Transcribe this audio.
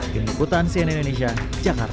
denikutan cnn indonesia jakarta